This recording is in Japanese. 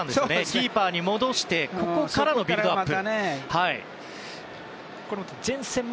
キーパーに戻してからのビルドアップ。